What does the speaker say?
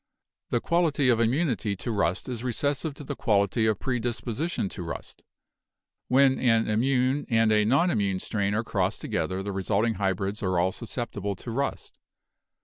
The quality of immunity to rust is recessive to the quality of predisposition to rust. When an immune and a non im mune strain are crossed together the resulting hybrids are 258 BIOLOGY all susceptible to 'rust.'